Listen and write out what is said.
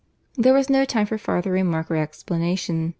There was no time for farther remark or explanation.